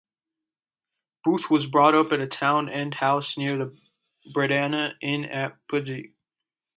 Booth was brought up at Town End House near the Britannia Inn at Pudsey.